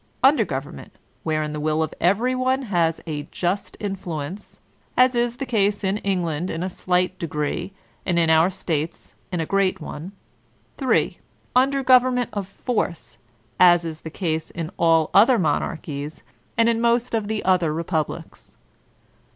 Under government wherein the will of every one has a just influence ; as is the case in England in fli slight degret, and in our States in a great one. 3. Under government of force, as is the case in all other mon archies, and in most of the other republics.